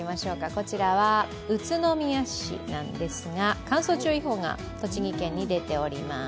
こちらは宇都宮市なんですが乾燥注意報が栃木県に出ております。